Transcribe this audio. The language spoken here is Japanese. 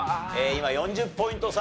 今４０ポイント差。